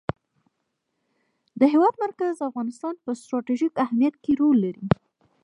د هېواد مرکز د افغانستان په ستراتیژیک اهمیت کې رول لري.